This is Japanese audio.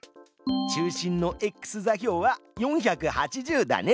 中心のｘ座標は４８０だね！